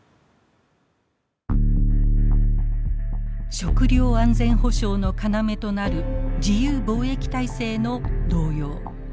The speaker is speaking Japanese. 食料安全保障の要となる自由貿易体制の動揺。